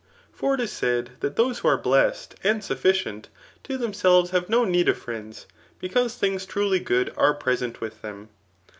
For it k said, that those who are blessed and sufficient to them selves have no need of friends j because things truly good are present with them.